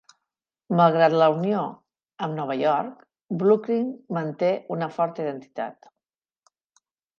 Malgrat la unió amb Nova York, Brooklyn manté una forta identitat.